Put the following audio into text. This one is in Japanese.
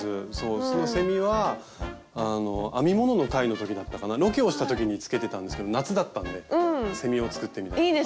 そのセミは編み物の回の時だったかなロケをした時につけてたんですけど夏だったんでセミを作ってみたりとか。